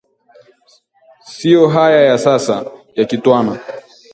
sio haya ya sasa ya kitwana